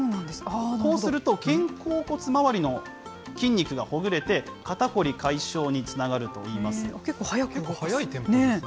こうすると、肩甲骨回りの筋肉がほぐれて、肩凝り解消につながる結構、速く動かすんですね。